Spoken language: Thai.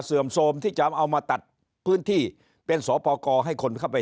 เสื่อมโทมที่จำเอามาตัดพื้นที่เป็นสปกให้คนเข้าไป